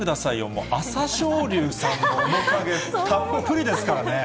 もう朝青龍さんの面影、たっぷりですからね。